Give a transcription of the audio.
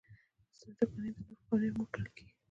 اساسي قانون د نورو قوانینو مور ګڼل کیږي.